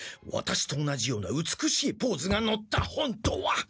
ワタシと同じような美しいポーズがのった本とは。